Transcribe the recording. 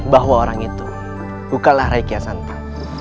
bahwa orang itu bukanlah rai kiyasanta